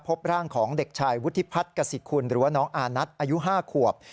พบร่างของเด็กชายวุฒิพัฒน์กษิคุณหรือว่าน้องอานัทอายุ๕ขวบ